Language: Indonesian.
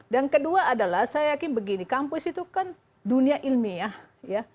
dan kedua adalah saya yakin begini kampus itu kan dunia ilmiah ya